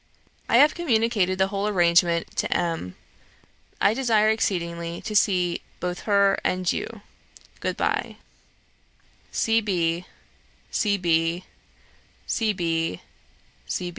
I have communicated the whole arrangement to M. I desire exceedingly to see both her and you. Good bye.